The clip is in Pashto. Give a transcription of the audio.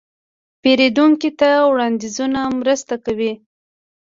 پیرودونکي ته وړاندیزونه مرسته کوي.